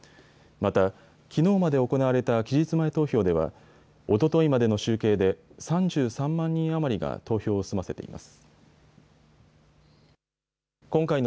また、きのうまで行われた期日前投票ではおとといまでの集計で３３万人余りが投票を済ませています。